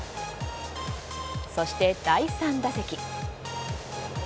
そして第３打席。